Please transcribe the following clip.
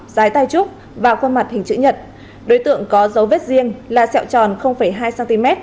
giái tay trúc vào khuôn mặt hình chữ nhật đối tượng có dấu vết riêng là sẹo tròn hai cm